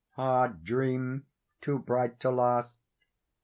Ah, dream too bright to last!